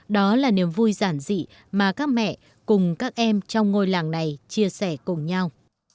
đó là niềm vui giản dị mà các mẹ cùng các em trong ngôi làng này chia sẻ cùng nhau